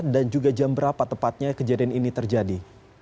dan juga jam berapa tepatnya kejadian ini terjadi